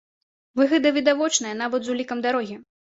Выгада відавочная нават з улікам дарогі.